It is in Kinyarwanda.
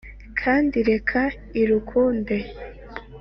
Kandi reka irukunde